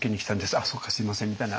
「あっそうかすみません」みたいな